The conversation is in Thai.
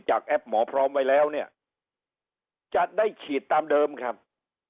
แอปหมอพร้อมไว้แล้วเนี่ยจะได้ฉีดตามเดิมครับ